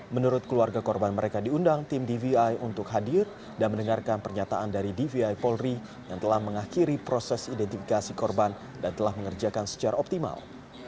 menurut keluarga korban mereka diundang tim dvi untuk hadir dan mendengarkan pernyataan dari dvi polri yang telah mengakhiri proses identifikasi korban dan telah mengerjakan secara optimal